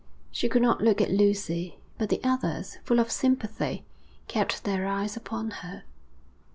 She could not look at Lucy, but the others, full of sympathy, kept their eyes upon her.